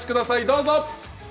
どうぞ。